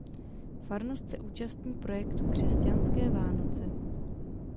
Farnost se účastní projektu Křesťanské Vánoce.